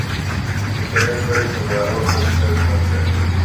internet پر ان فنکاروں کو کبھی سرچ مت کریں